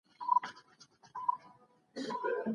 چي د مرګ زامي ته ولاړ سې څوک دي مرسته نه سي کړلای